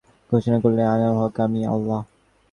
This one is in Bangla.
এক পয়গম্বরের কাহিনী আছে, যিনি ঘোষণা করলেন, আনাল হক-আমিই আল্লাহ।